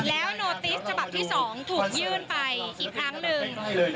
แล้วโนติสฉบับที่๒ถูกยื่นไปอีกครั้งหนึ่ง